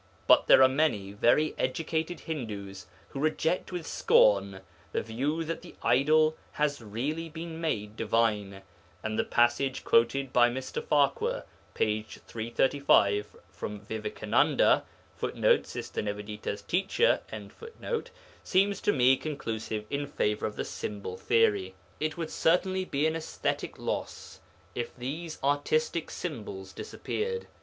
But there are many very educated Hindus who reject with scorn the view that the idol has really been made divine, and the passage quoted by Mr. Farquhar (p. 335) from Vivekananda [Footnote: Sister Nivedita's teacher. ] seems to me conclusive in favour of the symbol theory. It would certainly be an aesthetic loss if these artistic symbols disappeared.